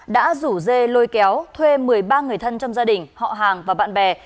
đã rủ dê lôi kéo thuê một mươi ba người thân trong gia đình họ hàng và bạn bè